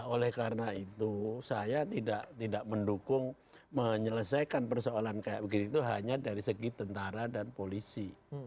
oleh karena itu saya tidak mendukung menyelesaikan persoalan kayak begini itu hanya dari segi tentara dan polisi